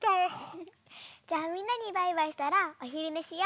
じゃあみんなにバイバイしたらおひるねしよ。